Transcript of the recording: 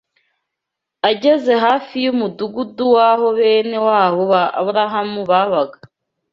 Ageze hafi y’umudugudu w’aho bene wabo ba Aburahamu babaga